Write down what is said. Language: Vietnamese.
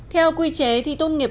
theo quy chế thi tôn nghiệp